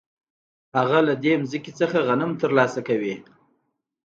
هغه له دې ځمکې څخه غنم ترلاسه کوي